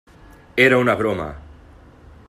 Era una broma.